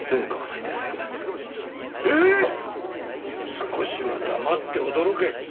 少しは黙って驚け。